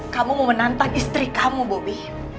kamu mau menantang istri kamu bobi